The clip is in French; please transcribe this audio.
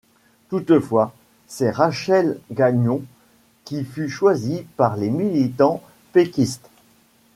Toutefois, c'est Rachel Gagnon qui fut choisie par les militants péquistes.